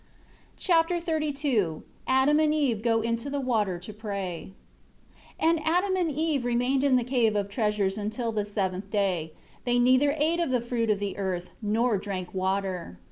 Chapter XXXII Adam and Eve go into the water to pray. 1 And Adam and Eve remained in the Cave of Treasures until the seventh day; they neither ate of the fruit the earth, nor drank water.